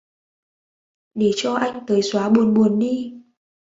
Để cho anh tới xóa buồn buồn đi